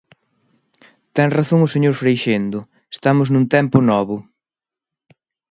Ten razón o señor Freixendo, estamos nun tempo novo.